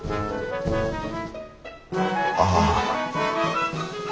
ああ。